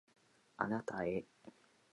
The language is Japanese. あなたへ